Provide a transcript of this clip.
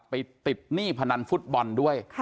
ติดหนี้พนันฟุตบอลด้วย